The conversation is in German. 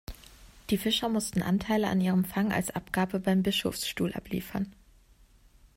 Die Fischer mussten Anteile an ihrem Fang als Abgabe beim Bischofsstuhl abliefern.